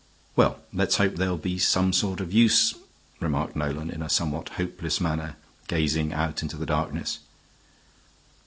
"Well, let's hope they'll be some sort of use," remarked Nolan, in a somewhat hopeless manner, gazing out into the darkness.